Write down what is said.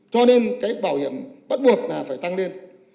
cho nên cái bảo hiểm bắt buộc là phải tăng lên